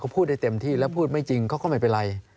พูดได้เต็มที่แล้วพูดไม่จริงเขาก็ไม่เป็นไร